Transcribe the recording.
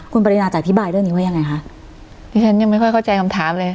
คุณปรินาจะอธิบายเรื่องนี้ว่ายังไงคะดิฉันยังไม่ค่อยเข้าใจคำถามเลย